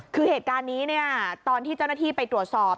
คือเหตุการณ์นี้เนี่ยตอนที่เจ้าหน้าที่ไปตรวจสอบ